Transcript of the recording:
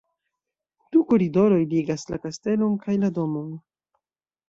Du koridoroj ligas la kastelon kaj la domon.